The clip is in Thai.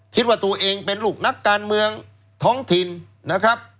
คิดว่าตัวเองเป็นลูกนักการเมืองท้องถิ่นนะครับ